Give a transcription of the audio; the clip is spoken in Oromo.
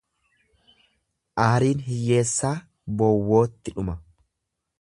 Aariin hiyyeessaa bowwootti dhuma.